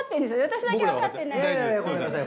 私だけわかってない？